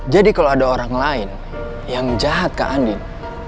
jadi kalau ada orang lain yang jahat ke andin